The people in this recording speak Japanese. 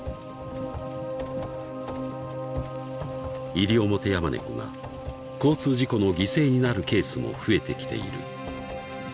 ［イリオモテヤマネコが交通事故の犠牲になるケースも増えてきている］